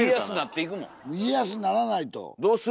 家康ならないと。